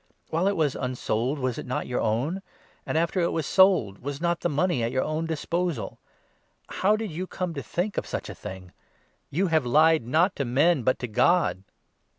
While it was unsold, was not it your own ? and after it was 4 sold, was not the money at your own disposal ? How did you come to think of such a thing? You have lied, not to men, but to God